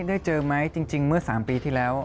ได้เจอไหมจริงเมื่อ๓ปีที่แล้ว